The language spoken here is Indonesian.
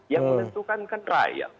yang menentukan kan rakyat